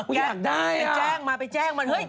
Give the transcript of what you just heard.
พลอยลุ่นใช่ไหมอยากได้อ่ะ